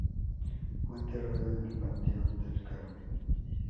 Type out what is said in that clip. Fue enterrado en el Panteón del Carmen.